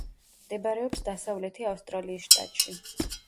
მდებარეობს დასავლეთი ავსტრალიის შტატში.